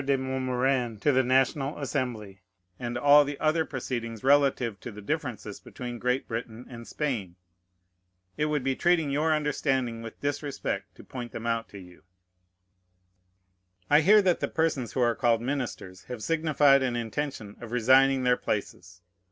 de Montmorin to the National Assembly, and all the other proceedings relative to the differences between Great Britain and Spain. It would be treating your understanding with disrespect to point them out to you. I hear that the persons who are called ministers have signified an intention of resigning their places.